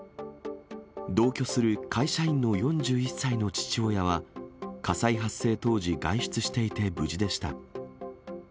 同居する会社員の４１歳の父親は、火災発生当時、外出していて無事でした。